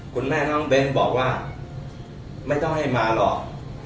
คุณแม่น้องเบ้นบอกว่าไม่ต้องให้มาหรอก